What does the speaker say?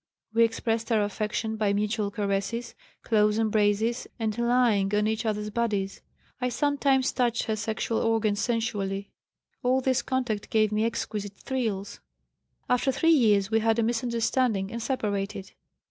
We expressed our affection by mutual caresses, close embraces and lying on each other's bodies. I sometimes touched her sexual organs sensually. All this contact gave me exquisite thrills. After three years we had a misunderstanding and separated.